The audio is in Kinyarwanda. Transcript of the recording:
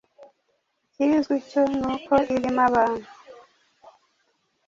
ikizwi cyo ni uko irimo abantu